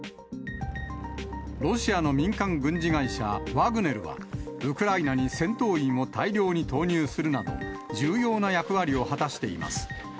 ロシアの民間軍事会社、ワグネルは、ウクライナに戦闘員を大量に投入するなど、重要な役割を果たしています。